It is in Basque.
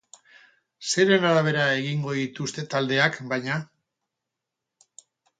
Zeren arabera egingo dituzte taldeak, baina?